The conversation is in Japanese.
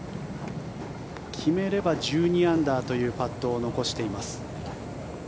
決めれば１２アンダーというパットを残しています。